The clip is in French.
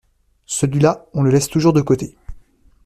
Celui-là, on le laisse toujours de côté.